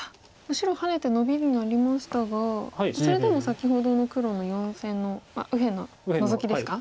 白ハネてノビになりましたがそれでも先ほどの黒の４線の右辺のノゾキですか。